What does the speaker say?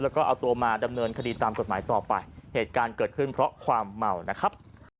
แล้วก็เอาตัวมาดำเนินคดีตามกฎหมายต่อไปเหตุการณ์เกิดขึ้นเพราะความเมานะครับ